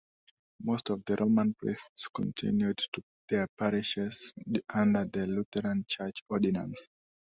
Most of the Roman priests continued in their parishes under the Lutheran church ordinance.